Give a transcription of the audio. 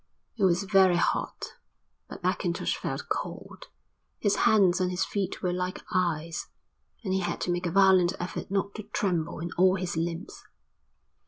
It was very hot, but Mackintosh felt cold, his hands and his feet were like ice, and he had to make a violent effort not to tremble in all his limbs.